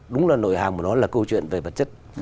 đúng là nội hàm của nó là câu chuyện về vật chất